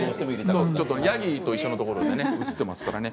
ヤギと一緒のところで撮ってますからね。